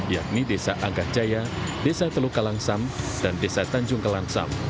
yakni desa angkat jaya desa teluk kalangsam dan desa tanjung kelangsam